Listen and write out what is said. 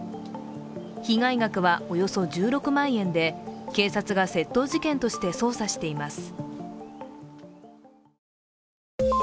被害額はおよそ１６万円で、警察が窃盗事件として捜査しています。